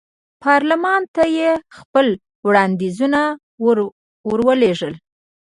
پارلمان ته یې خپل وړاندیزونه ور ولېږل.